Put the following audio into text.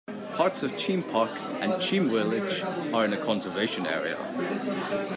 Parts of Cheam Park and Cheam Village are in a conservation area.